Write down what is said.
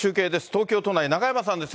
東京都内、中山さんです。